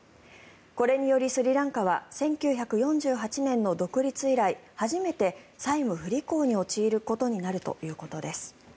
これによりスリランカは１９４８年の独立以来初めて債務不履行に陥ることになるということです。